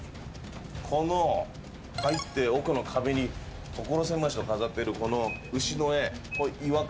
この入って奥の壁に所狭しと飾ってるこの牛の絵これ違和感